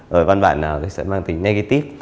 rồi văn bản nào thì sẽ mang tính negative